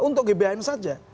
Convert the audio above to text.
untuk gbhn saja